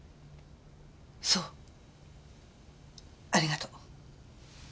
そうありがとう。